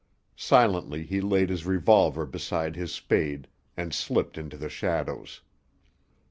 Silently he laid his revolver beside his spade, and slipped into the shadows.